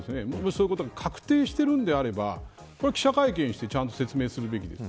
それが確定してるのであれば記者会見をしてちゃんと説明するべきです。